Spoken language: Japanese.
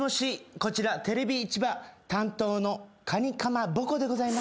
こちらテレビチバ担当のカニカマボコでございます。